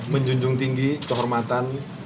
menjunjung tinggi kehormatan